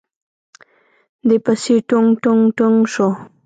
دې پسې ټونګ ټونګ ټونګ شو.